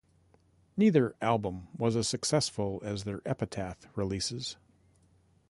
Neither album was as successful as their Epitaph releases.